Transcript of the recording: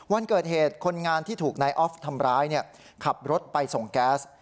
วันเกิดเหตุคนงานที่ถูกนายออฟทำร้ายขับรถไปส่งแก๊ส